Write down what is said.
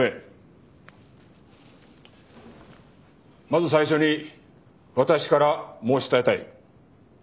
まず最初に私から申し伝えたい。